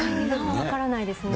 分からないですね。